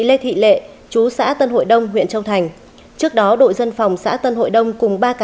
lê thị lệ chú xã tân hội đông huyện châu thành trước đó đội dân phòng xã tân hội đông cùng ba cá